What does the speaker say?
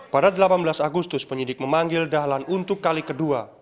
pada delapan belas agustus penyidik memanggil dahlan untuk kali kedua